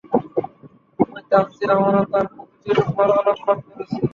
এই তাফসীরে আমরা তার প্রতিটির উপর আলোকপাত করেছি।